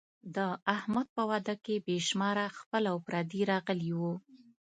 د احمد په واده کې بې شماره خپل او پردي راغلي وو.